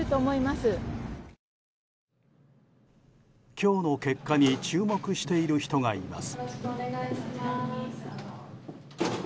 今日の結果に注目している人がいます。